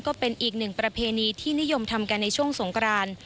ก็เป็นอีกหนึ่งประเพณีที่นิยมทำกันในช่วงสงกราน